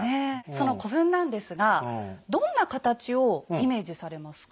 その古墳なんですがどんな形をイメージされますか？